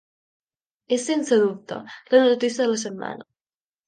És sense dubte la notícia de la setmana.